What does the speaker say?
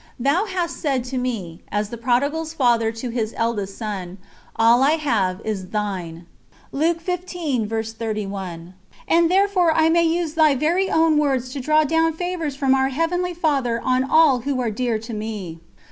Thou hast said to me, as the Prodigal's father to his elder son: "All I have is thine." And therefore I may use thy very own words to draw down favours from Our Heavenly Father on all who are dear to me.